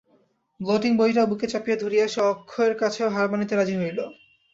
ব্লটিং-বইটা বুকে চাপিয়া ধরিয়া সে অক্ষয়ের কাছেও হার মানিতে রাজি হইল।